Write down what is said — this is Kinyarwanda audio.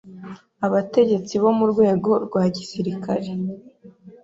abategetsi bo mu rwego rwa gisirikare